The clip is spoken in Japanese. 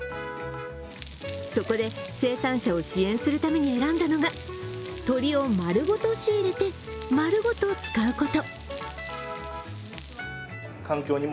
そこで生産者を支援するために選んだのが、鶏をまるごと仕入れてまるごと使うこと。